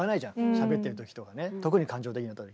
しゃべってる時とかね特に感情的な時。